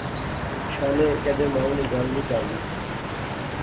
شانے کیدے مائو نی گل نی ٹالی